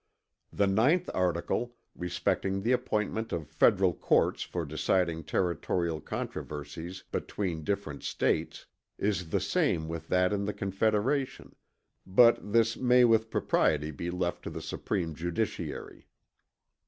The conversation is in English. "The 9th article, respecting the appointment of Federal courts for deciding territorial controversies between different States, is the same with that in the confederation; but this may with propriety be left to the supreme judiciary.